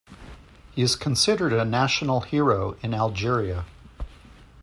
He is considered a national hero in Algeria.